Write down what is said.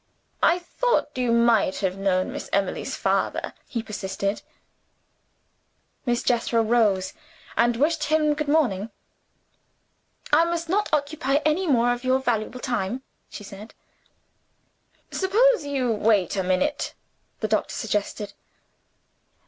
"I thought you might have known Miss Emily's father," he persisted. Miss Jethro rose, and wished him good morning. "I must not occupy any more of your valuable time," she said. "Suppose you wait a minute?" the doctor suggested.